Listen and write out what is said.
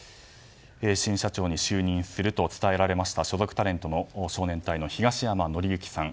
新社長に就任すると伝えられました所属タレントの少年隊の東山紀之さん